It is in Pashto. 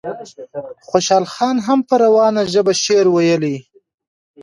خوشحال خان هم په روانه ژبه شعر ویلی.